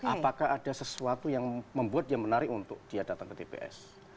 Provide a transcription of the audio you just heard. apakah ada sesuatu yang membuat dia menarik untuk dia datang ke tps